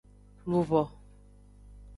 Luvo.